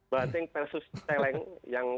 banting versus celeng yang